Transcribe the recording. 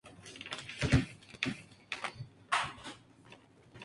Las cubiertas podían ser quitadas y los respaldos eran ajustables.